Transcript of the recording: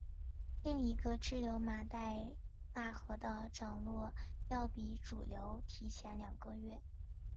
另一个支流马代腊河的涨落要比主流提前两个月。